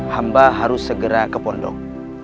hamba harus segera ke pondok